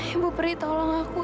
ibu peri tolong aku